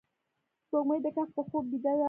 سپوږمۍ د کهف په خوب بیده ده